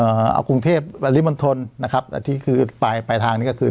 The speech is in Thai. เอ่อเอากรุงเทพฯปริมณฑลนะครับที่คือไปไปทางนี้ก็คือ